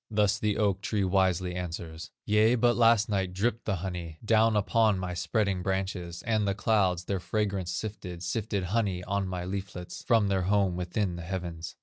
Thus the oak tree wisely answers: "Yea, but last night dripped the honey Down upon my spreading branches, And the clouds their fragrance sifted, Sifted honey on my leaflets, From their home within the heavens."